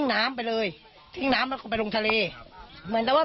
หมื่นตะว่าเกล็ดเกลิ่นสัตว์แหม่นเง่นไง